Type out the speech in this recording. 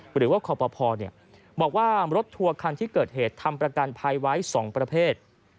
หรือว่าขอปภบอกว่ารถทัวร์คันที่เกิดเหตุทำประกันภัยไว้๒ประเภท